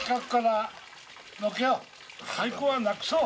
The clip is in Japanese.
俳句はなくそう！